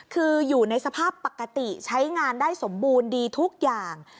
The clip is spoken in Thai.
คืออยู่ในสภาพปกติใช้งานได้สมบูรณ์ดีทุกอย่าง